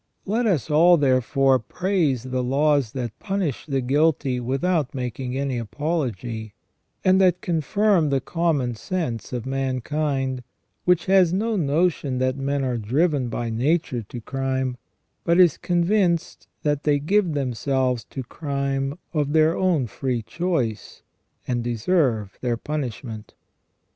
Let us all, therefore, praise the laws that punish the guilty without making any apology, and that confirm the common sense of mankind, which has no notion that men are driven by nature to crime, but is convinced that they give themselves to crime of their own free choice, and deserve their punishment.